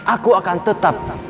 aku akan tetap ruth